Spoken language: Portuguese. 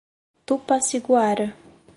Tupaciguara